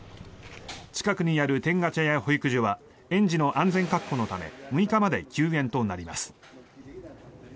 近くにある天下茶屋保育所は園児の安全確保のため６日まで休園となります。